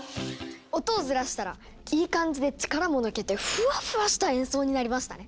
音をずらしたらいい感じで力も抜けてフワフワした演奏になりましたね。